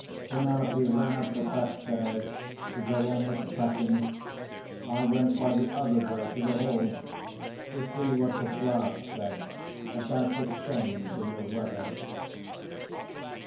Penelope ran up the back stairs to go on with the packing. I went by the other way to the hall, to see what the glass said about the change in the weather.